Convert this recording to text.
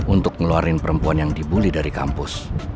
untuk ngeluarin perempuan yang dibully dari kampus